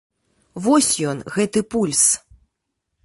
Вось ён, гэты пульс!